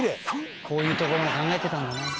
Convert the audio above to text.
「こういうところも考えてたんだな」